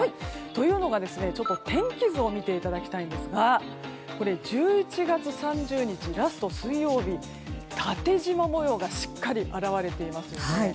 というのが天気図を見ていただきたいんですがこれ、１１月３０日ラスト水曜日縦じま模様がしっかり表れていますよね。